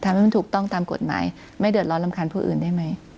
ทำให้มันถูกต้องตามกฎหมายไม่เดือดร้อนรำคาญผู้อื่นได้ไหม